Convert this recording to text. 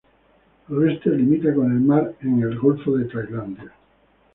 Al oeste limita con el mar en el golfo de Tailandia.